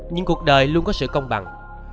nhưng cuộc đời luôn có sự công bằng